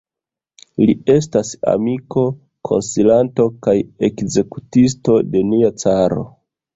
Li estas amiko, konsilanto kaj ekzekutisto de nia caro.